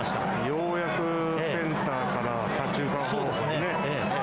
ようやくセンターから左中間方向にね